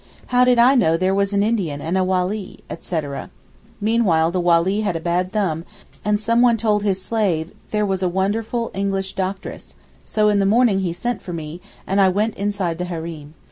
'How did I know there was an Indian and a Walee?' etc. Meanwhile the Walee had a bad thumb, and some one told his slave that there was a wonderful English doctress, so in the morning he sent for me, and I went inside the hareem.